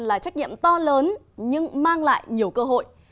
là trách nhiệm to lớn nhưng mang lại nhiều cơ hội